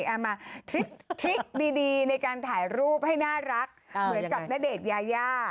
เอามาทริคดีในการถ่ายรูปให้น่ารักเหมือนกับณเดชน์ยายา